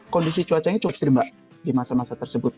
kondisi cuacanya cukup seribat di masa masa tersebut